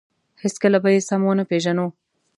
هېڅکله به یې سم ونه پېژنو.